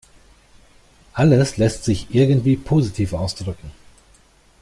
Alles lässt sich irgendwie positiv ausdrücken.